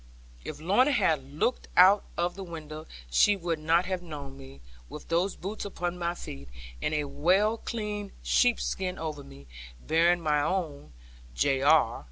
If Lorna had looked out of the window she would not have known me, with those boots upon my feet, and a well cleaned sheepskin over me, bearing my own (J.R.)